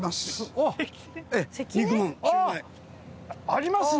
ありますね。